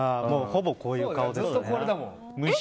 ほぼこういう顔ですね。